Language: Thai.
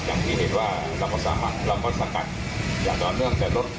อย่างที่เห็นว่าเราก็สามารถเราก็สกัดอย่างต่อเนื่องแต่รถ